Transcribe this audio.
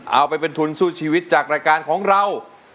เอาไปเป็นทุนสู้ชีวิตจากรายการของเรา